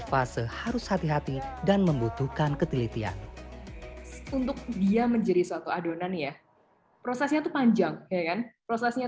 berat adonan sourdough setidaknya dikisaran enam ratus gram